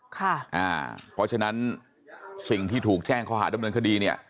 เพราะฉะนั้นสิ่งที่ถูกแจ้งข้อหาดำเนินคดีเนี่ย